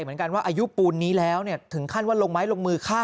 เหมือนกันว่าอายุปูนนี้แล้วถึงขั้นว่าลงไม้ลงมือฆ่า